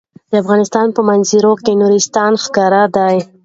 د افغانستان په منظره کې نورستان ښکاره ده.